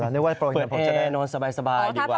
นึกว่าโปรยเงินผมจะได้โน้ตสบายดีกว่า